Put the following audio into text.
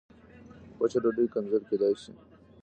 وچه ډوډۍ کنګل کېدای شي.